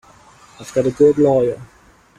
I've got a good lawyer.